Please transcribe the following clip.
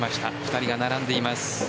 ２人が並んでいます。